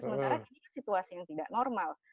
sementara ini kan situasi yang tidak normal